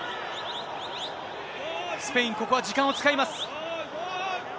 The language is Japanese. スペイン、ここは時間を使います。